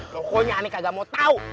pokoknya aneh kagak mau tau